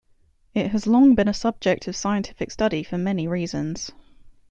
It has long been a subject of scientific study for many reasons.